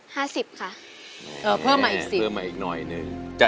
ห้าสิบค่ะ